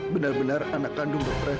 benar benar anak kandung berprestasi